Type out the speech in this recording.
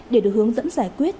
để được hướng dẫn giải quyết